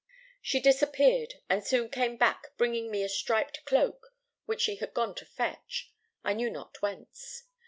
"She disappeared, and soon came back bringing me a striped cloak which she had gone to fetch, I knew not whence.